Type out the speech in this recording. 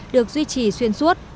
được duy trì xuyên suốt